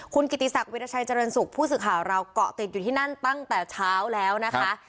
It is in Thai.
คุณกิติศักดิราชัยเจริญสุขผู้สื่อข่าวเราเกาะติดอยู่ที่นั่นตั้งแต่เช้าแล้วนะคะ